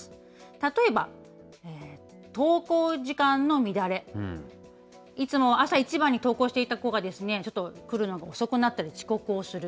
例えば登校時間の乱れ、いつもは朝一番に登校していた子がちょっと来るのが遅くなったり、遅刻をする。